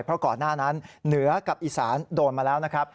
เพราะก่อนหน้านั้นเหนือกับอีสานโดนมาแล้วนะครับ